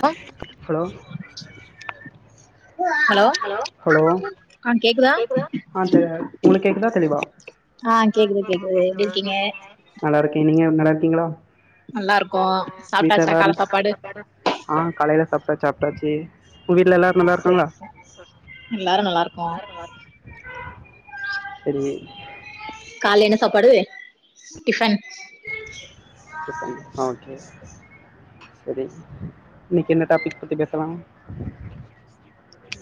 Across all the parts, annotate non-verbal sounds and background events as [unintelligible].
Hello hello hello hello ஆ கேக் உங்களுக்கு கேக்குதா தெளிவா ஆ கேக்குது கேக்குது எப்டி இருக்கீங்க நல்லாருக்கே நீங்க நல்லா இருக்கீங்ளா நல்லா இருக்கோ வீட்ல சாப்ட்டாச்சா எல்லாரு கால சாப்பாடு ஆ காலைல சாப்பிட்டா சாப்ட்டாச்சு, ஒங்க வீட்ல எல்லாரு நல்லா இருக்காங்ளா சேரி சா எல்லாரு நல்லாருக்கோ சேரி கால்ல என்ன சாப்பாடு, டிஃபன் டிஃபன், ஆ ஓகே சரி, இன்னக்கி என்ன டாப்பிக் பத்தி பேசலா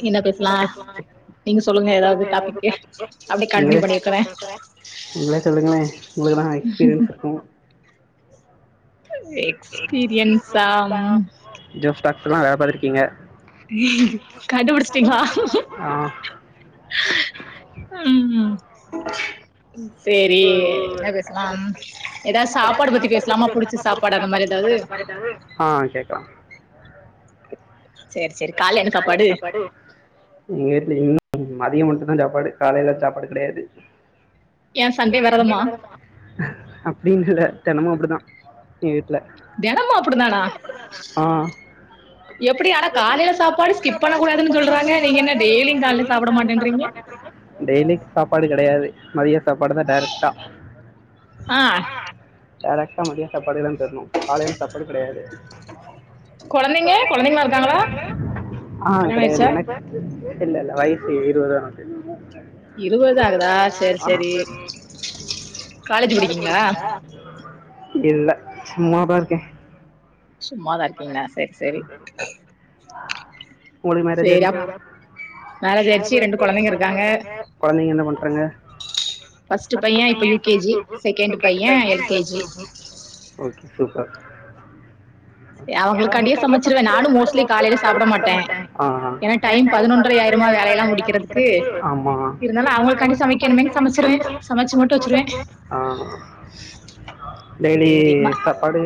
என்ன பேசலா நீங்க சொல்லுங்க ஏதாது டாப்பிக்கு அப்டியே கண்டினியூ நீங்களே பண்ணிக்றே நீங்களே சொல்லுங்களே ஒங்களுக்குதா எக்ஸ்பீரியன்ஸ் இருக்கு எக்ஸ்பீரியன்ஸா ஜோஸ் டாக்ஸ்லா வேல பாத்துருக்கீங்க கண்டுபிடிச்சிட்டீங்ளா ஆ ம் சேரி, என்ன பேசலாம் ஏதாது சாப்பாடு பத்தி பேசலாமா புடிச்ச சாப்பாடு அந்த மாரி எதாவது ஆ கேக்கலா சேரி சேரி, கால்ல என்ன சாப்பாடு எங்க வீட்ல இன்னு மதியம் மட்டுந்தா சாப்பாடு காலைல சாப்பாடு கெடையாது ஏ சண்டே வெரதமா அப்டின்னு இல்ல தெனமு அப்டிதா வீட்ல, தெனமு ஆ எப்டி ஆனா காலைல சாப்பாடு ஸ்கிப் பண்ணகூடாதுன்னு சொல்றாங்க நீங்க என்ன டெய்லியு காலைல சாப்ட மாட்டேன்றீங்க டெய்லி சாப்பாடு கெடையாது மதிய சாப்பாடுதா டேரெக்ட்டா ஆ டேரெக்டா மதிய சாப்பாடுக்குதா தரணு காலைல சாப்பாடு கெடையாது கொழந்தைங்க கொழந்தைங்கலா இருக்காங்ளா ஆ கல்யாணோ கெடையாது ஆயிடுச்சா இல்ல இல்ல வயசு இருவதுதா ஆவுது இருவதுதா ஆகுதா சேரி சேரி காலேஜ் படிக்கீங்களா இல்ல சும்மாதா இருக்கே சும்மாதா இருக்கீங்ளா சேரி சேரி ஒங்ளுக்கு மேரேஜ் சரி ஆயிடுச்சா அப் மேரேஜ் ஆயிடுச்சு ரெண்டு குழந்தைங்க இருக்காங்க கொழந்தைங்க என்ன பண்றாங்க ஃபர்ஸ்ட் ஃபஸ்ட்டு பையன் பைய இப்ப U UKG K G, second second பையன் பைய L LKG K G okay super எ அவங்களுக்காண்டியே சமைச்சிருவே நானு மோஸ்ட்லி காலைல சாப்ட மாட்டே ஆ ஆ ஏனா டைம் பதினொன்டர ஆயிருமா வேலை எல்லா முடிக்கிறதுக்கு இருந்தாலு அவுங்களுக்கான்டி சமைக்கனுமேன்னு சமைச்சிருவே சமைச்சி மட்டு வச்சுருவே ஆ, டெய்லி சரி ம சாப்பாடு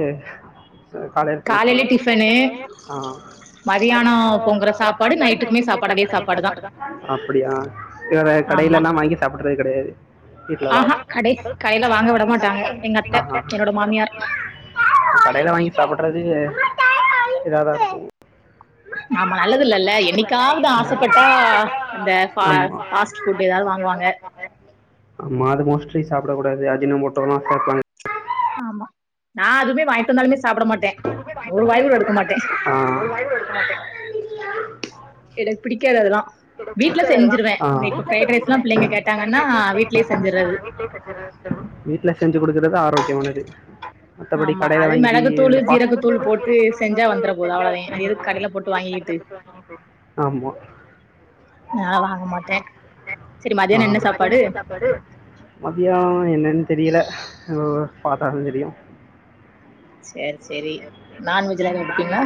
காலேல டிஃபனு மதியானம் பண்ற சாப்பாடு நைட்டுக்குமே சாப்பாடு அதே சாப்பாடு தா வேற ஆமா கடைலல்லா வாங்கி சாப்புடறதே கெடையாது வீட்ல தா ஆஹா கடை கடையில வாங்க விட மாட்டாங்க எங்க அத்த என்னோட மாமியார் கடையில வாங்கி சாப்படறது இதாதா இருக்கும் ஆமா நல்லதுல்லல்ல என்னிக்காவது ஆசப்பட்டா அந்தா பா ஆமா. ஃபாஸ்ட் ஃபுட் எதாது வாங்குவாங்க ஆமா அது மோஸ்ட்லி சாப்டக் கூடாது அஜின மோட்டோலா சேப்பாங்க நா அதுமே வாங்கிட் வந்தாலுமே சாப்ட மாட்டே நா எப்பவுமே எட்டு ஒரு வாய் மணிக்கி கூட எடுக்க மாட்டே சாப்டமாட்டே வயர் வலி [inaudible] மாட்டே எனக்கு பிடிக்காது அதெல்லா வீட்ல செஞ்சுருவே ஆ இப்ப ஃபிரைட் ரைஸ்லா பிள்ளைங்க கேட்டாங்கன்னா வீட்லேயே செஞ்சுறது வீட்ல செஞ்சு குடுக்கறது ஆரோக்கியமானது மத்தபடி ஆமா கடையில அது வாங்கி மிளகுத்தூளு இந்த மெளகு ஜீரகத்தூள் தூளு போட்டு சீரகத்துளு செஞ்சா போட்டு வந்துர போது செஞ்சா அவ்வளதே வந்துறப் அது போது எதுக்கு கடையில போட்டு எதுக்கு கடலே வாங்கிக்கிட்டு போட்டு வாங்கிட்டு ஆமா நா வாங்க மாட்டே சரி மதியான என்ன சாப்பாடு பாடு மத்தியான என்னன் தெரியல உம் பாத்தா தா தெரியும் சேரி சேரி நான்வெஜ்லா எதுவு எடுப்பீங்களா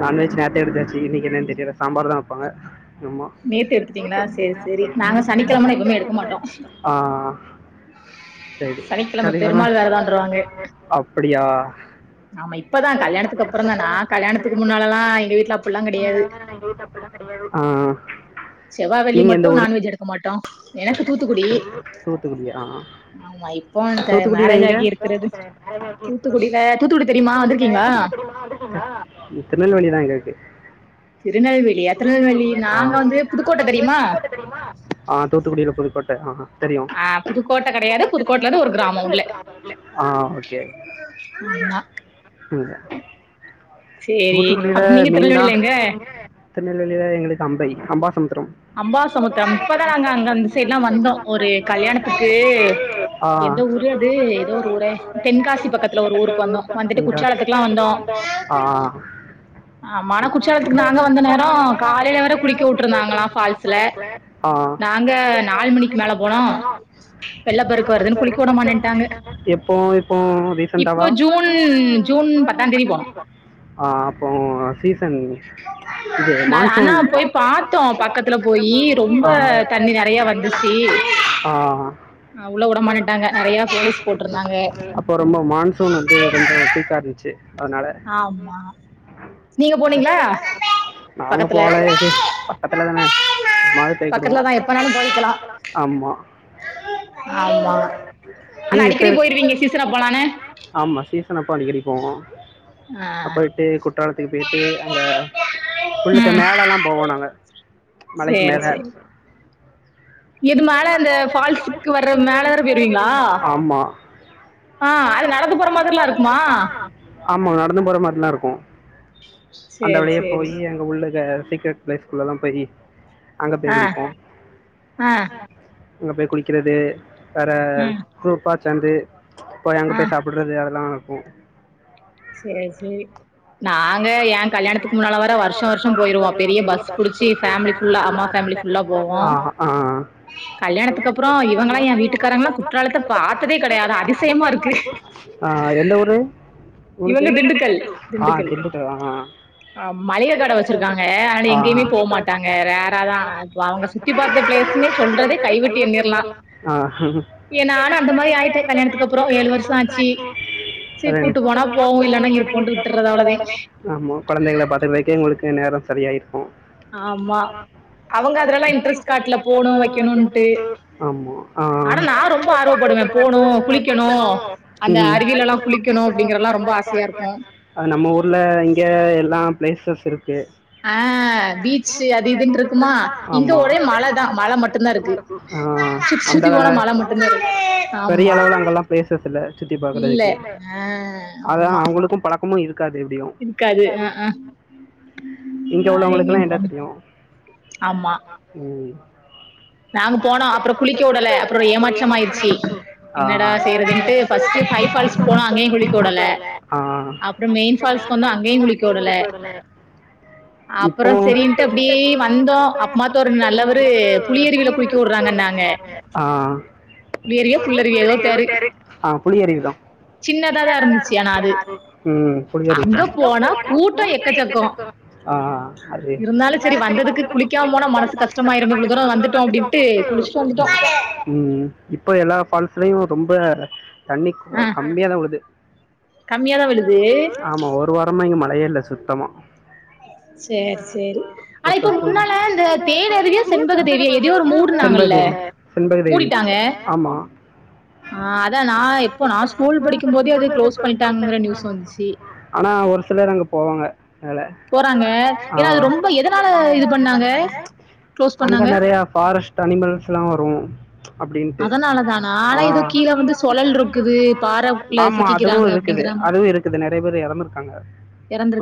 நான்வெஜ் நேத்தே எடுத்தாச்சு இன்னைக்கி என்னன்னு தெரியல சாம்பார் தா வப்பாங்க நேத்து எடுத்துட்டீங்களா சேரி சேரி நாங்க சனிக்கெழமெனா எதுவுமே எடுக்க மாட்டோ ஆ செரி சனிக்கிழம செரிங்கமா பெருமாள் விரதோன்றுவாங்க அப்டி ஆமா இப்பதா கல்யாணத்துக்கு அப்புறந்தா நா கல்யாணத்துக்கு முன்னாலல்லா எங்க வீட்ல அப்புல்லா கெடையாது ஆ செவ்வா வெள்ளி நீங்கள் எந்த மட்டு ஊர் நான்வெஜ் எடுக் க மாட்டோ எனக்கு தூத்துக்குடி தூத்துக்குடியா அ ஆமா இப்போ இந்த தூத்துக்குடியில மேரேஜ் எங்க ஆகி இருக்கிறது தூத்துக்குடியில தூத்துக்குடி தெரியுமா வந்திருக்கீங்களா திருநெல்வேலிதா இங்க இருக்கு திருநெல்வேலியா திருநெல்வேலி நாங்க வந்து புதுக்கோட்ட தெரியுமா தெரியுமா தூத்துக்குடியில புதுக்கோட்ட ஆஹ ஆ புதுக்கோட்ட கெடையாது புதுக்கோட்டையில இருந்து ஒரு கிராமம் உள்ள ஆ ஓகே [inaudible] [unintelligible] சேரி தூத்துக்குடியில அப் நீங்க மீன் தா திருநெல்வேலில எங்க திருநெல்வேலியில எங்களுக்கு அம்பை அம்பாசமுத்தர அம்பாசமுத்திரம் இப்பதா நாங்க அங்க அந்த சைட் எல்லா வந்தோம் ஒரு கல்யாணத்துக்கு எந்த ஆ ஊரு அது எதோ ஒரு ஊரே தென்காசி பக்கத்துல ஒரு ஊருக்கு வந்தோ வந்துட்டு தென்கா குற்றாலத்துக்கெல்லா வந்தோ ஆ ஆமா ஆனா குற்றாலத்துக்கு நாங்க வந்த நேரோ காலையில வர குளிக்க விட்ருந்தாங்களா நா பால்ஸ்ல நாங்க நால் மணிக்கு மேல போனோ வெள்ளப்பெருக்கு வருதுன்னு குளிக்க வுட மாட்டேன்ட்டாங்க எப்போ இப்போ இப்போ ரீசண்டாவா ஜூன் ஜூன் ஜுன் பத்தாந் தேதி பத்தா போனோ தேதிங்கோ ஆ அப்போ சீசன் இது நா ஆனா மான்சூன் போய் பாத்தோ பக்கத்துல த்துல போயி ரொம்ப தண்ணி நெறைய நெறையா வந்திருச்சி ஆ உள்ள வுடமாட்டேண்டாங்க நெறைய போலீஸ் போட்ருந்தாங்க அப்போ ரொம்ப மான்சூன் வந்து கொஞ்ச பீக்கா இருந்துச்சு அதனால ஆமா நீங்க போனீங்ளா நாங்க போல இது பக்கத்துல தானே எப்பநாளு போய்கிருவோ பக்கத்துலதா எப்பனாலு ஆம்மா ஆம்மா ஆனா அடிக்கடி போயிருவீங்க சீசனா போலானு ஆமா சீசன் அப்ப அடிக்கடி போவோ ஆ ட்டு குற்றாலத்துக்கு போயிட்டு அங்க உள்ளுக்கு ம் மேல எல்லா போவோ நாங்க மலைக்கு சேரி மேல சேரி இது மேல இந்த ஃபால்ஸுக்கு வர்ற மேல வேற போயிருவீங்களா ஆம்மா ஆ அது நடந்து போற மாதிரிலா இருக்குமா ஆமா நடந்து போற மாரி நல்லாஇருக்கு அந்த சேரி வழியே சேரி போயி எங்க உள்ள சீக்ரட் பிளேஸ் உள்ளலா போயி அங்க போயி ஆ குளிப்போ ஆ அங்க போய் குளிக்கிறது வேற ம் குரூப்பா சேந்து போயி அங்க ஆ போயி சாப்பிடுறது அதெல்லா சேரி சேரி நாங்க ஏ கல்யாணத்துக்கு முன்னால வர வருஷோ வருஷோ போயிருவோ பெரிய பஸ் புடிச்சி ஃபேமிலி ஃபுல்லா அம்மா பேமிலி ஆ ஆ கல்யாணத்துக்கு அப்றோ இவங்களா ஏ வீட்டுக்காரங்கல்லா குற்றாலத்த பாத்ததே கெடையாது அதிசயமா இருக்கு ஆ எந்த ஊரு இவங்க திண்டுக்கல் ஆ திண்டுக்கல் தா ஆ ஆ மளிக கட நெறையா தடவ வச்சிருக்காங்க வந்துருகே அதனால அங்க எங்கேயுமே போ எங்கயுமே மாட்டாங்க போமாட்டேங்க ரேராதா இப்ப அவங்க சுத்தி பாத்த பிளேஸ்ன்னே சொல்றதே [unintelligible] கைவிட்டு கைவேட்டி எண்ணிரலா நேர்லதா ஏ நானு அந்த மாரி ஆயிட்ட தா எடுத்துடுறோ ஏழு வருஷோ ஆச்சு சேரி கூட்டு போனா போவோ போனு இல்லன்னா இல்லனா இருக் இருப்போன்ட்டு விட்டுறது க்கின்ற அவ்ளதே வேலதே ஆம்மா கொழந்தைகள பாத்துக்கிடதுக்கே உங்ளுக்கு நேரம் சரியாயிருக்கு ஆம்மா அவங்க அதுலெல்லா இன்ட்ரெஸ்ட் காட்ல போணு வைக்கணுன்ட்டு ஆமாம் ஆ ஆனா நா ரொம்ப ஆர்வப்படுவே போணு குளிக்கணு அந்த ம் அருவியிலலா குளிக்கணு அப்பிடிங்கிறெல்லா ரொம்ப ஆசையாருக்கு அது நம்ம ஊர்ல இங்க எல்லா பிளேசஸ் இருக்கு அ பீச்சு அது இதுன்ட்டிருக்குமா இங்க ஒரே மல தா மல மட்டுந்தா இருக்கு ஆ சுத்தி சுத்தி போனா மழ மட்டுந்தா [unintelligible] இருக்கு பெரிய ஆமா அளவுல அங்கெல்லா ஃபிளேசஸ் இல்ல சுத்தி இல்ல பாக்கறதுக்கு ஆ அதா ஆமா அவங்ளுக்கு பழக்கமு இருக் காது எப்டியு இருக்காது ஆ இங்க ஆ உள்ளவுங்ளுக்கு எங்கேயு எல்லா போ என்னா தெர்யு ஆமா நாங்க போனோ அப்றோ குளிக்க உடல அப்றோ ஏமாற்றம் ஆயிருச்சு ஆ என்னடா செய்யறதுன்ட்டு ஃபஸ்டு ஃபைபால்ஸ் போனா அங்கேயு குளிக்க உடல அப்றோ மெயின் ஃபால்ஸ் போனா அங்கேயு குளிக்க உடல சரின்ட்டு அப்டே வந்தோ அப்பாத்த ஒரு நல்லவரு இது புலியறுவில குளிக்க வுடுறேனாங்க புளியருவியோ புள்ளருவியோ ஏதோ பேரு ஆ புளி அருவிதா சின்னதாதா இருந்துச்சு ஆனா அது அங்க போனா கூட்டோ எக்கசக்கோ இருந்தாலு செரி வந்ததுக்கு குளிக்காம போனா மனசு கஷ்டமாயிருமே இவ்ளோ தூரம் வந் துட்டோ அப்டின்ட்டு குளிச்சிட்டு வந்துட்டோ ம் இப்போ எல்லா ஃபால்ஸ்லயும் ரொம்ப தண்ணி ஆ க கம்மியா தா உழுது கம்மியா தா விழுது ஆமா ஒரு வாரமா இங்க மழையே இல்ல சுத்தமா சேரி சேரி ஆனா இப்ப முன்னால இந்த தேனருவியோ செண்பக தேவியே எதையோ ஒரு மூடுனாங்க இல்ல மூடிட்டாங்க ஆமா ஆ அதா நா எப்போ நா ஸ்கூல் படிக்கமோதே அது க்ளோஸ் பண்ணிட்டாங்கங்கிற நியூஸ் வந்துச்சி ஆனா ஒரு சிலர் அங்க போவாங்க அதுல போறாங்க ஆ ஏனா அது ரொம்ப எதனால இது பண்ணாங்க க்ளோஸ் அங்க பண்ணாங்க நறையா ஃபாரஸ்ட்டு அனிமல்ஸ்லா வரும் அப்டின்ட்டு அதனாலதானா ஆனா ஆ ஏதோ நான் எதோ கீழ வந்து இருந்து சொழல் செலல் இருக்குது ட்ரிப்புது பாறைக்குள்ள [unintelligible] ஆமா சிக்கிக்கிறாங்க அதுவும் இருக்குது அப்படிங்கிற அதுவும் இருக்குது நறையா பேர் எறந்துருக்காங்க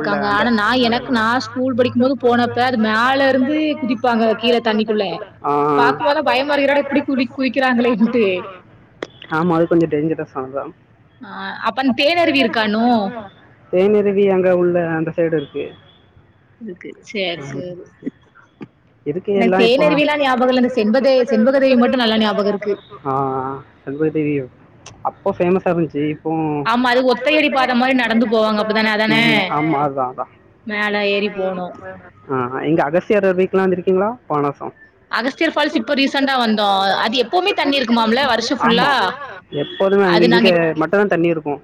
உள்ள அந்த ஆனா நா எனக்கு நா ஸ்கூல் படிக்கும் போது போனப்ப அது மேல இருந்து குதிப் குதிப்பாங்க கீழ தண்ணிக்குள்ள ஆ ஆ பேக் சைடு பயமா இருக்கு டயட் என்னடா அடிக்கிற இப்டி அப்டே குதி குளிக்கிறாங்களே குதிக்கிறாங்களேன்ட்டு [unintelligible] ஆமா அது கொஞ்சம் டேஞ்சரஸ் ஆனதா ஆ அப்பன் தேனருவி இருக்கா இன்னும் தேனருவி அங்க உள்ள அந்த சைடு இருக்கு இருக்கு சேரி ம். சேரி இருக்கு எனக்கு எல்லா இப்போ தேனருவிலா ஞாபகயில்ல அந்த செண்பக செண்பகருவி மட்டு நல்லா ஞாபகம் இருக்கு ஆ ஆ செண்பக தெரியும் அப்போ ஃபேமஸா இருந்திச்சி இப்பவு ம் ஆ பாரு ஒத்தையடி பாத மாரி நடந்து போவாங்க [unintelligible] தான அதான ஆமா அதா அதா மேல ஏறி போனு ஆ ஆ இங்க அகஸ்சியரு அருவிக்லா வந்துருக்கீங்ளா பாவனாசோ அகஸ்தியர் ஃபால்ஸ் இப்போ ரிஸ்க் ஆ ரிஸ்டியல் பால்ஸ் இப்ப ரீசண்ட்டா வந்தோ அது எப்பயுமே தண்ணி இருக்குமாமில்ல ஆமா வருஷோ ஃபுல்லா எப்போதுமே அங்க அது இங்க நாங்க இப் மட்டுந்தா தண்ணி இருக்கும்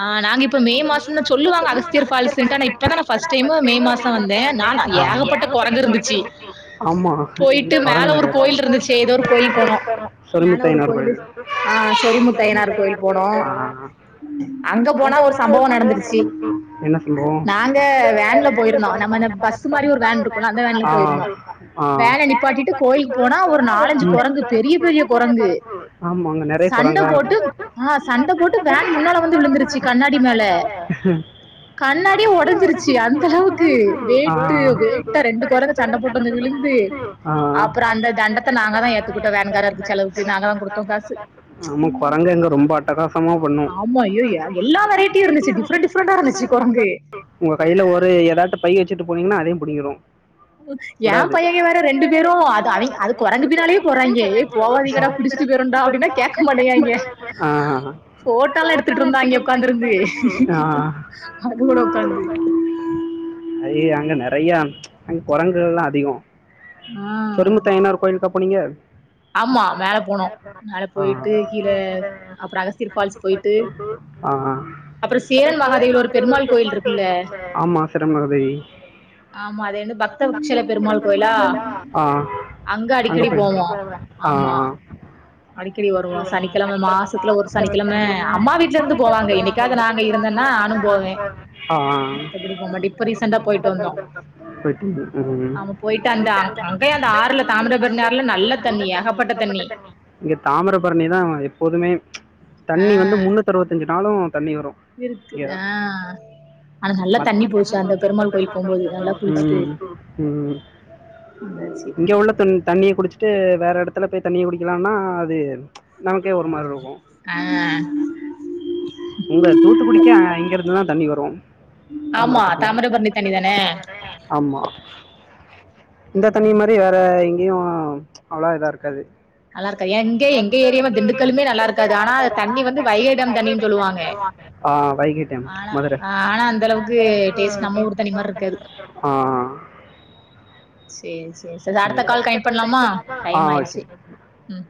ஆ நாங்க இப்போ மே மாசன்னு சொல்லுவாங்க அகஸ்தியர் பால்ஸ்ன்ட்டு ஆனா இப்பதா நா ஃபஸ்ட்டைமு மே மா சோ வந்தே நானா ஏகப்பட்ட கொரங்கு இருந்துச்சி ஆமா கொரங்கு நறையா இருக்கும் மேல ஒரு கோயில் இருந்துச்சு. ஏதோ ஒரு கோயில் இருந்துச்சே போனோம். [inaudible] மேல சொரிமுத்து ஒரு ஐயனார் கோயிலு கோயில் ஆ சொரிமுத்து ஐயனார் கோயில் போயிருந்தோம் ஆ ஆ அங்க போனா ஒரு சம்பவோ நடந்துரிச்சி என்ன சம்பவோம் நாங்க வேன்ல போயிருந்தோ பஸ்ஸு மாரி ஒரு வேன் இருக்குல்ல அந்த வேன்ல போயிருந்தோ ஆ வேன நிப்பாட்டிட்டு கோயிலுக்கு போனா ஒரு நாலஞ்சி கொரங்கு பெரிய பெரிய கொரங்கு ஆமா அங்க நிறைய சண்ட குரங்கா இருக்கும் போட்டு ஆ சண்ட போட்டு வேன் முன்னால வந்து விழுந்திருச்சி கண்ணாடி மேல ம் கண்ணாடி ஒடஞ்சிருச்சி அந்த அளவுக்கு ஆ. வேட்டு வேட்டா ரண்டு கொரங்கு சண்ட போட்டு வந்து விழுந்து ஆ ஆ அப்புற அப்புறம் அந்த தண்டத்த தெண்டத்த நாங்க தா ஏத்துக்கிட்டோ ஏத்துக்கிட்டோம் வேன் வேன்காரருக்கு காரர் செலவுக்கு செலவு நாங்க தா சொன்னாங்க குடுத்தோ காசு அப்புறந்தா ஆமா கொரங்கு அங்க ரொம்ப அட்டகாசமா பண்ணும் ஆமா ஐயோ எ எல்லா வெரைட்டியு இருந்துச்சி டிஃப்ரண்ட் டிப்ரண்ட்டா இருந்துச்சி கொரங்கு உங்க கைல ஒரு எதாட்டு பை வச்சிட்டு போனீங்கினா அதயு புடிங்கிரு யா பையங்க வேற ரெண்டு பேரும் அது அவிங் அது கொரங்கு பின்னாலே போறாங்கே ஏ போவாதீங்கடா புடிச்சிட்டு போயிருண்டா அப்டின்னா ஆ ஆ போட்டாலா எடுத்துட்டு இருந்தாங்க உக்காந்துருந்து அது கூட உக்காந்து ஐய்யய அங்க நெறயா அங்க கொரங்குகல்லா அதிகம் ஆங்க ஐயனார் கோயிலுக்கா போனீங்க ஆமா மேல போனோ மேல ஆ போயிட்டு கீழ அப்புறோ அகஸ்தியர் ஃபால்ஸ் போயிட்டு டூடு சேரன் அப்றோ [unintelligible] மகாதேவில ஒரு நாங்க இருக்கிற இடத்துல கோயில் பெருமாள் இருக்குல்ல கோயில்ருக்கும்ண்ணே ஆமா சிருமதி ஆமா அது என்ன பக்த விட்சல பெருமாள் கோயிலா ஆ அங்க அடிக்கடி போய் போவோ ஆ ஆமா ஆ அடிக்கடி வருவோ சனிக்கெழம மாசத்துல ஒரு சனிக்கெழம அம்மா வீட் டுல இருந்து போவாங்க என்னைக்காது நா அங்க இருந்தேன்னா நானு போவே ஆ மத்தபடி போமாட்டே இப் இப்ப ரீசன்டா போயிட்டு வந்தோ போயிட்டு ம் ஆமா போயிட்டு அந்த அங் அங்கயே அந்த ஆறுலத் தாமிரபரணி ஆறுல நல்ல தண்ணி ஏகப்பட்ட தண்ணி இங்க தாமர பரணிதா எப்போதுமே ம்ச் ஆ தண்ணி வந்து முன்னூத்தி அறுபத்தஞ்சி நாளு தண்ணி வரு இருக்குது ஆ ஆனா நல்லா ம் தண்ணி போச்சு அந்த பெருமாள் கோயில் போம்போது நல்லா குளிச்சுட்டு ம் அதா சேர் இங்க உள்ள தண் தண்ணிய குடிச்சி ட்டு வேற எடத்துல போய் தண்ணிய குடிக்கலான்னா அது ம்ச் நமக்கே ஒரு மார்ருக்கு ஆ உங்க தூத்துக்குடிக்கே அ இங்க இருந்து தா தண்ணி வரு ஆமா தாமிரபரணி தண்ணி தான ஆமா இந்த தண்ணி மாரி வேற எங்கேயு ம்ச் அவ்ளோ இதா இருக்காது நல்லாருக்கா எங்க எங்க ஏரியா திண்டுக்கலுமே நல்லா இருக்கா ஆனா தண்ணி வந்துப் வயடம் தண்ணின்னு சொல்லுவாங்க ஆ, வைகை டேம் ஆனா மதுரை ஆனா அந்த அளவுக்கு டேஸ்ட் நம்ம ஊருத் தண்ணி மார்ருக்காது ஆஆ செரி செரி செர் சரி அடுத்த கால் கனெக்ட் பண்ணலாமா ஆ டைம் ஆயிடுச்சு ஓகே ம்